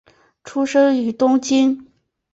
出生于东京。